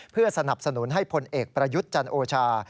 เพื่อสนับสนุนให้พลเอกประยุทธ์จันโอชา